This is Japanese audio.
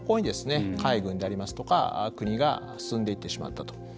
海軍でありますとか国が進んでいってしまったと。